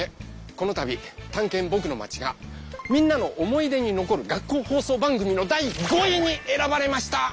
このたび「たんけんぼくのまち」がみんなの思い出に残る学校放送番組の第５位にえらばれました！